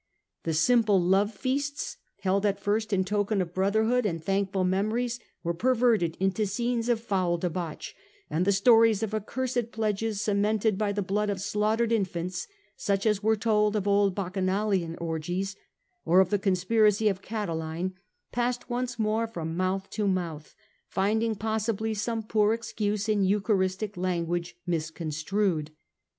The simple lovefeasts credited held at first in token of brotherhood and about them, thankful memories were perverted into scenes of foul debauch ; and the stories of accursed pledges, cemented by the blood of slaughtered infants — such as were told of old of Bacchanalian orgies or of the con spiracy of Catiline — passed once more from mouth to mouth, finding possibly some poor excuse in Eucharistic language misconstrued.